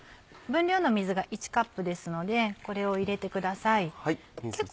分量の水が１カップですのでこれを入れてください。